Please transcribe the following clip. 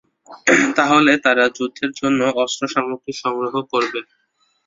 তাহলে তারা যুদ্ধের জন্য অস্ত্রসামগ্রী সংগ্রহ করবে।